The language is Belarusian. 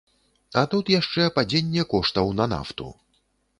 А тут яшчэ падзенне коштаў на нафту.